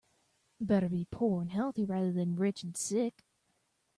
Better to be poor and healthy rather than rich and sick.